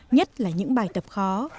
nhất là những bài tập khó